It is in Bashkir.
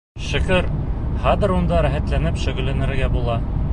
Шөкөр, хәҙер унда рәхәтләнеп шөғөлләнергә була.